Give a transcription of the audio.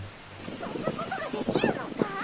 そんなことができるのかい？